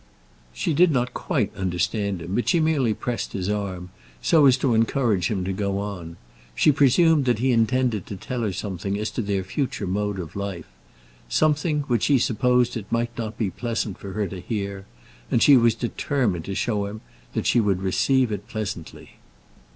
She did not quite understand him; but she merely pressed his arm, so as to encourage him to go on. She presumed that he intended to tell her something as to their future mode of life something which he supposed it might not be pleasant for her to hear, and she was determined to show him that she would receive it pleasantly.